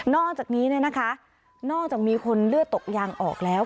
อกจากนี้นอกจากมีคนเลือดตกยางออกแล้ว